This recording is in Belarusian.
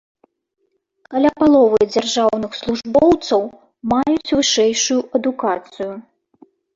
Каля паловы дзяржаўных службоўцаў маюць вышэйшую адукацыю.